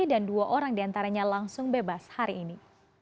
dan dua orang diantaranya langsung bebas hari ini